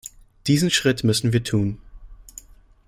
Diesen Schritt müssen wir tun.